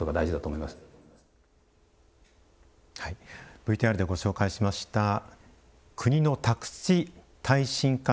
ＶＴＲでご紹介しました国の宅地耐震化推進事業の流れ